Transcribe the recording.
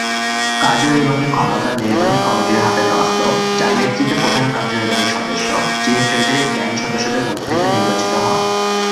কার্যনির্বাহী ক্ষমতা নির্বাহী কমিটির হাতে ন্যস্ত, যার নেতৃত্বে প্রধান কার্যনির্বাহী সদস্য, যিনি ট্রেজারি বেঞ্চ সদস্যদের মধ্য থেকে নির্বাচিত হন।